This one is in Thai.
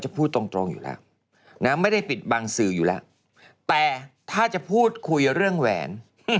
พูดชีพดูได้เลย